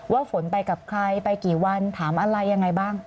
ฝนไปกับใครไปกี่วันถามอะไรยังไงบ้าง